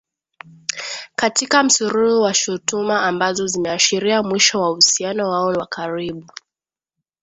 katika msururu wa shutuma ambazo zimeashiria mwisho wa uhusiano wao wa karibu